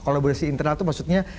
kolaborasi internal itu maksudnya